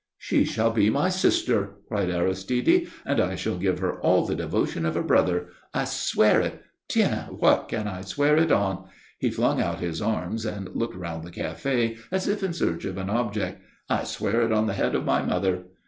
"She shall be my sister," cried Aristide, "and I shall give her all the devotion of a brother.... I swear it tiens what can I swear it on?" He flung out his arms and looked round the café as if in search of an object. "I swear it on the head of my mother.